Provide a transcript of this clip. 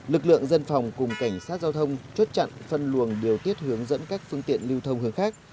lực lượng dân phòng cùng cảnh sát giao thông chốt chặn phân luồng điều tiết hướng dẫn các phương tiện lưu thông hướng khác